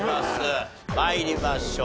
参りましょう。